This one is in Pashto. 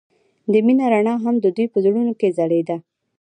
د مینه رڼا هم د دوی په زړونو کې ځلېده.